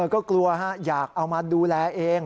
ก็กลัวอยากเอามาดูแลเอง